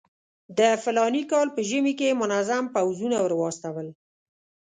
د فلاني کال په ژمي کې یې منظم پوځونه ورواستول.